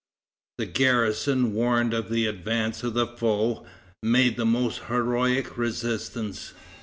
The garrison, warned of the advance of the foe, made the most heroic resistance.